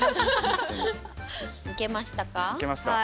いけましたか？